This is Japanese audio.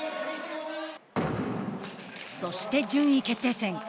そして順位決定戦。